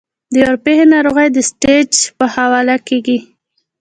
د ورپېښې ناروغۍ د سټېج پۀ حواله کيږي -